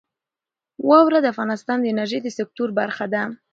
واوره د افغانستان د انرژۍ د سکتور برخه ده.